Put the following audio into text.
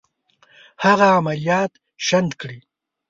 هغه عملیات شنډ کړي.